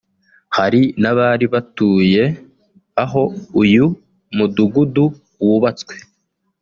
Hari n’abari batuye aho uyu mudugudu wubatswe